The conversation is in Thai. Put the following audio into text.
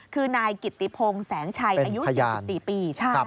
คือนายกิตติพงศ์แสงชัยอายุ๔๔ปี